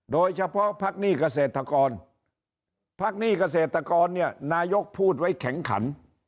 โดยเฉพาะพักหนี้เกษตรกรพักหนี้เกษตรกรเนี่ยนายกพูดไว้แข็งขัน